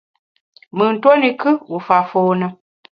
Mùn tuo ne kù, u fa fône.